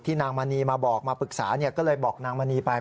นางมณีมาบอกมาปรึกษาก็เลยบอกนางมณีไป